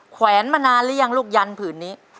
แวนมานานหรือยังลูกยันผืนนี้